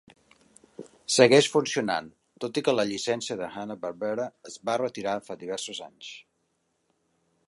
Segueix funcionant, tot i que la llicència de Hanna-Barbera es va retirar fa diversos anys.